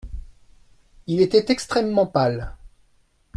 Il était extrêmement pâle.